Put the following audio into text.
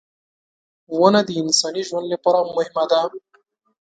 • ونه د انساني ژوند لپاره مهمه ده.